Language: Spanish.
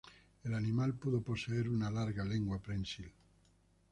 El animal pudo poseer una larga lengua prensil.